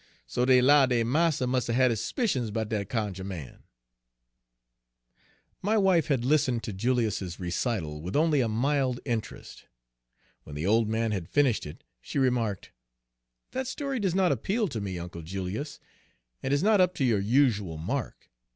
So dey 'lowed dey marster must 'a' had his s'picions 'bout dat cunjuh man." My wife had listened to Julius's recital with only a mild interest. When the old man had finished it she remarked: "That story does not appeal to me, Uncle Julius, and is not up to your usual mark.